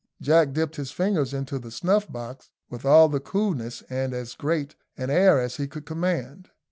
Jack dipped his fingers into the snuff box with all the coolness and as great an air as he could command.